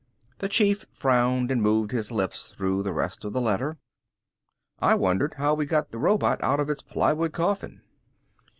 The Chief frowned and moved his lips through the rest of the letter. I wondered how we got the robot out of its plywood coffin.